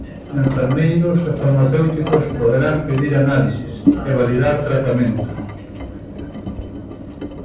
Enfermeiros e farmacéuticos poderán pedir análises e validar tratamentos.